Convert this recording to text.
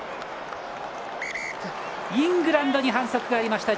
イングランドに反則がありました。